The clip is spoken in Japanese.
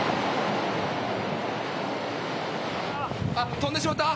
飛んでしまった。